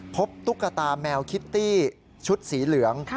ตุ๊กตาแมวคิตตี้ชุดสีเหลือง